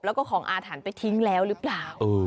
แล้วก็ของอาถรรพ์ไปทิ้งแล้วหรือเปล่า